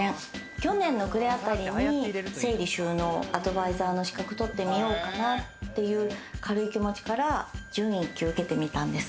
去年の暮れあたりに整理収納アドバイザーの資格取ってみようかなという軽い気持ちから準一級、受けてみたんです。